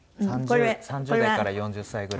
３０代から４０歳ぐらい。